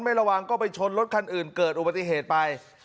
ระวังก็ไปชนรถคันอื่นเกิดอุบัติเหตุไป